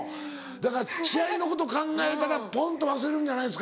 だから試合のこと考えたらぽんと忘れるんじゃないですか？